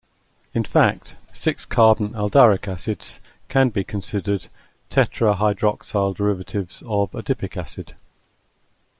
In fact, six-carbon aldaric acids can be considered tetrahydroxyl derivatives of adipic acid.